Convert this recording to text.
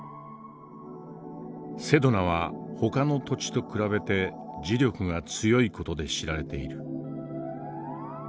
セドナはほかの土地と比べて磁力が強い事で知られている。